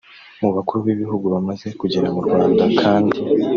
Mu bakuru b’ibihugu bamaze kugera mu Rwanda kandi